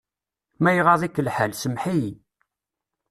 Ma iɣaḍ-ik lḥal, semmeḥ-iyi.